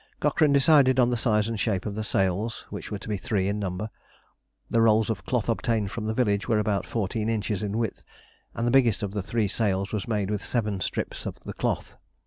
Cochrane decided on the size and shape of the sails, which were to be three in number. The rolls of cloth obtained from the village were about fourteen inches in width, and the biggest of the three sails was made with seven strips of the cloth.